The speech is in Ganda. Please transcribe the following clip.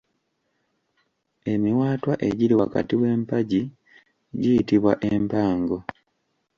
Emiwaatwa egiri wakati w’empagi giyitibwa Empago.